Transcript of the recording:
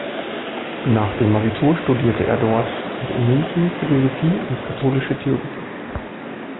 Nach dem Abitur studierte er dort und in München Philosophie und Katholische Theologie.